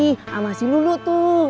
sama si lulu tuh